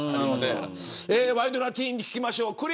ワイドナティーンに聞きましょう。